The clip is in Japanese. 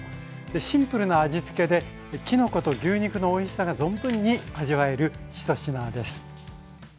シンプルな味つけできのこと牛肉のおいしさが存分に味わえる一品です。